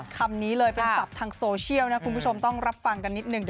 คำนี้เลยเป็นศัพท์ทางโซเชียลนะคุณผู้ชมต้องรับฟังกันนิดนึง